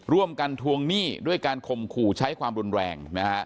ร่วมกันทวงหนี้ด้วยการคมขู่ใช้ความรุนแรง